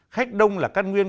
khách đông là căn nguyên